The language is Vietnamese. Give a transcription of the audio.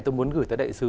tôi muốn gửi tới đại sứ